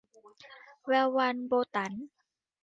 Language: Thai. แวววัน - โบตั๋น